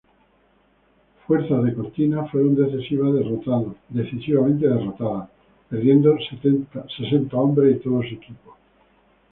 Fuerzas de Cortina fueron decisivamente derrotados, perdiendo sesenta hombres y todo su equipo.